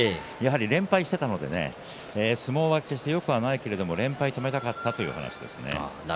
連敗をしていたので相撲は決してよくないけれど連敗は止めたかったという話をしていました。